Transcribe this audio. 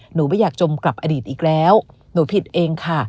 หนูไม่อยากจมกลับอดีตอีกแล้วหนูผิดเองค่ะ